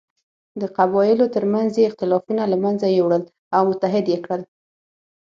د قبایلو تر منځ یې اختلافونه له منځه یووړل او متحد یې کړل.